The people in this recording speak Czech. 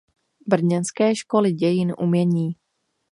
Brněnské školy dějin umění.